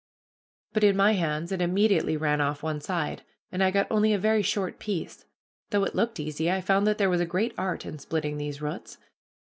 But in my hands it immediately ran off one side, and I got only a very short piece. Though it looked easy, I found that there was a great art in splitting these roots.